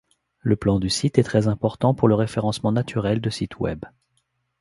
Le plan du site est très important pour le référencement naturel de sites webs.